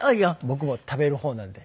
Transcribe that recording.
僕も食べる方なんで。